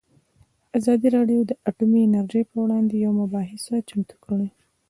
ازادي راډیو د اټومي انرژي پر وړاندې یوه مباحثه چمتو کړې.